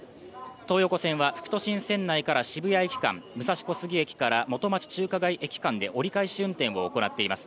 東横線は副都心線から渋谷駅間、武蔵小杉駅から元町・中華街駅間で折り返し運転を行っています。